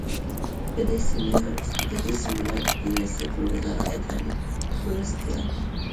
په دې سمینار کې د ریاستالوزراء اداري مرستیال.